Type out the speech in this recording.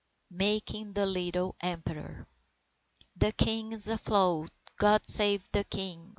MAKING THE LITTLE EMPEROR "The King is afloat! God save the King!"